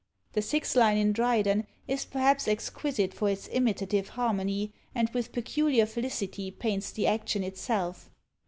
The sixth line in Dryden is perhaps exquisite for its imitative harmony, and with peculiar felicity paints the action itself.